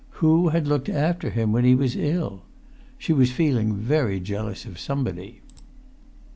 Who had looked after him when he was ill? She was feeling very jealous of somebody.